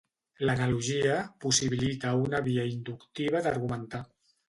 L'analogia possibilita una via inductiva d'argumentar.